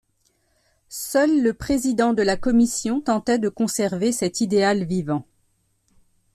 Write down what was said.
Seul le président de la Commission tentait de conserver cet idéal vivant.